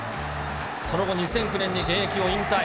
その後、２００９年に現役を引退。